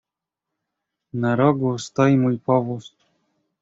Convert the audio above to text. "„Na rogu stoi mój powóz."